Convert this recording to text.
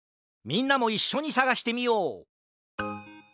みんなもいっしょにさがしてみよう！